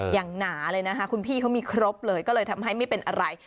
หนาเลยนะคะคุณพี่เขามีครบเลยก็เลยทำให้ไม่เป็นอะไร